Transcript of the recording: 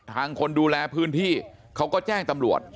คนดูแลพื้นที่เขาก็แจ้งตำรวจ